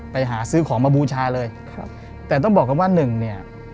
ไปหาซื้อของมาบูชาเลยครับแต่ต้องบอกกันว่าหนึ่งเนี่ย